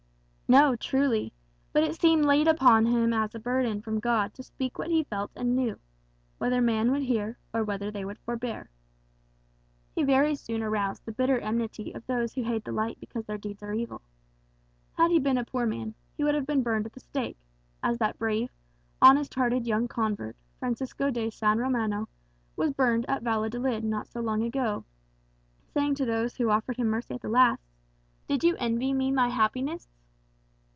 "No, truly; but it seemed laid upon him as a burden from God to speak what he felt and knew, whether men would hear or whether they would forbear. He very soon aroused the bitter enmity of those who hate the light because their deeds are evil. Had he been a poor man, he would have been burned at the stake, as that brave, honest hearted young convert, Francisco de San Romano, was burned at Valladolid not so long ago, saying to those who offered him mercy at the last, 'Did you envy me my happiness?